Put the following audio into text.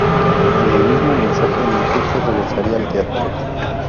En el mismo mensaje anunció que regresaría al teatro.